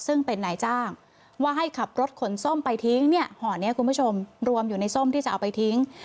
ซึ่งเป็นนายจ้างว่าให้ขับรถขนส้มไปทิ้งเนี่ยห่อนี้คุณผู้ชมรวมอยู่ในส้มที่จะเอาไปทิ้ง